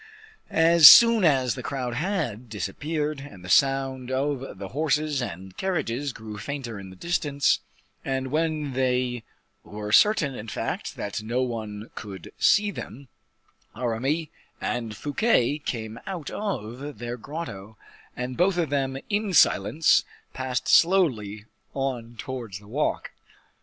As soon as the crowd had disappeared, and the sound of the horses and carriages grew fainter in the distance, and when they were certain, in fact, that no one could see them, Aramis and Fouquet came out of their grotto, and both of them in silence passed slowly on towards the walk.